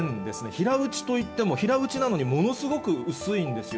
平打ちといっても、平打ちなのに、ものすごく薄いんですよ。